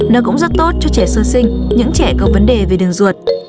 nó cũng rất tốt cho trẻ sơ sinh những trẻ có vấn đề về đường ruột